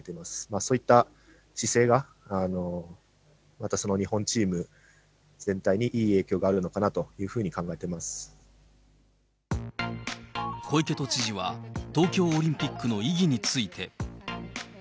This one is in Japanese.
そういった姿勢がまた日本チーム全体にいい影響があるのかなとい小池都知事は、東京オリンピックの意義について。